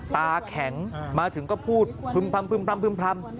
ตาแข็งมาถึงก็พูดพึ่ม